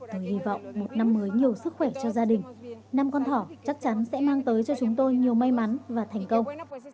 tôi hy vọng một năm mới nhiều sức khỏe cho gia đình năm con thỏ chắc chắn sẽ mang tới cho chúng tôi nhiều may mắn và thành công